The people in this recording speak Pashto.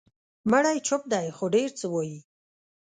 مړی چوپ دی، خو ډېر څه وایي.